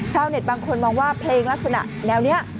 บางคนมองว่าเพลงลักษณะแนวนี้